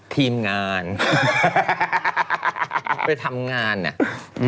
ทีมงานไปทำงานอ่ะ